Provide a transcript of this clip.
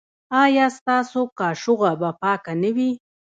ایا ستاسو کاشوغه به پاکه نه وي؟